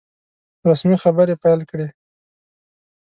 رسمي خبري پیل کړې.